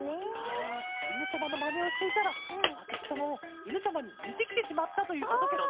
あいぬちゃまのまねをしていたらあづきちゃまもいぬちゃまににてきてしまったということケロね？